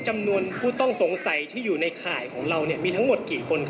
มันก็เป็นไม่ได้หมด